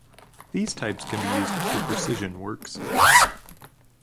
These types can be used for precision works.